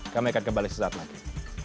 kami akan kembali sesaat lagi